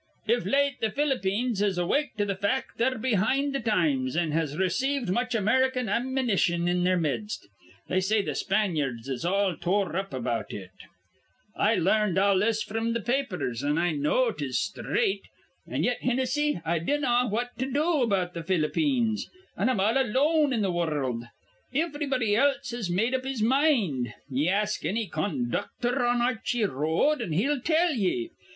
Iv late th' Ph'lippeens has awaked to th' fact that they're behind th' times, an' has received much American amminition in their midst. They say th' Spanyards is all tore up about it. "I larned all this fr'm th' papers, an' I know 'tis sthraight. An' yet, Hinnissy, I dinnaw what to do about th' Ph'lippeens. An' I'm all alone in th' wurruld. Ivrybody else has made up his mind. Ye ask anny con ducthor on Ar rchy R road, an' he'll tell ye.